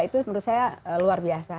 itu menurut saya luar biasa